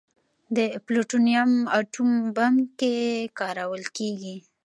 د پلوټونیم اټوم بم کې کارول کېږي.